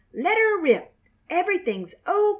Let her rip. Everything's O.